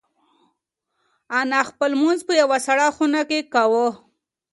انا خپل لمونځ په یوه سړه خونه کې کاوه.